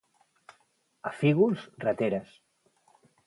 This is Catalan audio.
A Fígols, rateres.